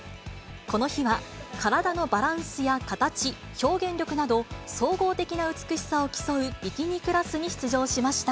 この日は、体のバランスや形、表現力など、総合的な美しさを競うビキニクラスに出場しました。